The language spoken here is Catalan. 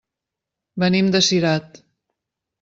Venim de Cirat.